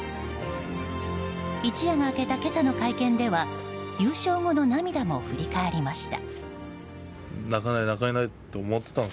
一夜が明けた今朝の会見では優勝後の涙も振り返りました。